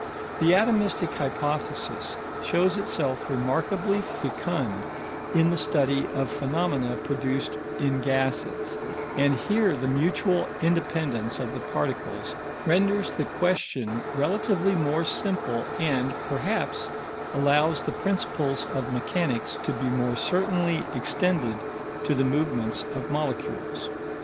The atomistic hypothesis shows itself remarkably fecund in the study of phenomena produced in gases, and here the mutual independence of the particles renders the question relatively more simple and, perhaps, allows the principles of mechanics to be more certainly extended to the movements of molecules.